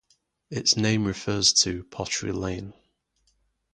Its name refers to "pottery lane".